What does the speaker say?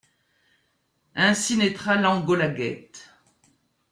Ainsi naîtra l'Angolagate.